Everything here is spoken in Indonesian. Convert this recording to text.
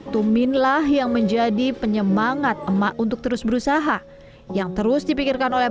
tuminlah yang menjadi penyemangat emak untuk terus berusaha yang terus dipikirkan oleh